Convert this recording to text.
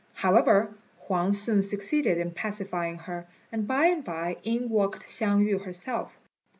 However, Huang soon succeeded in pacifying her, and by and by in walked Hsiang yü herself.